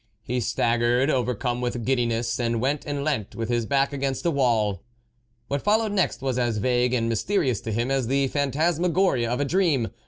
He staggered, overcome with giddiness, and went and leant with his back against a wall. What followed next was as vague and mysterious to him as the phantas magoria of a dream.